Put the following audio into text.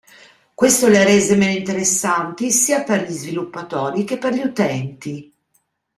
Questo le ha rese meno interessanti sia per gli sviluppatori che per gli utenti.